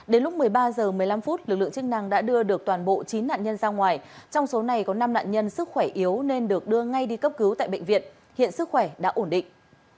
đến lúc một mươi ba h một mươi năm phút lực lượng chức năng đã đưa được toàn bộ chín nạn nhân ra ngoài trong số này có năm nạn nhân sức khỏe yếu nên được đưa ngay đi cấp cứu tại bệnh viện hiện sức khỏe đã ổn định